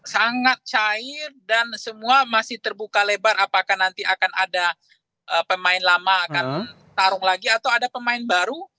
sangat cair dan semua masih terbuka lebar apakah nanti akan ada pemain lama akan tarung lagi atau ada pemain baru